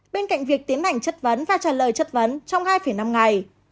bên cạnh việc tiến hành chất vấn và trả lời chất vấn trong hai năm ngày